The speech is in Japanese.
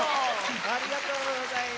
ありがとうございます。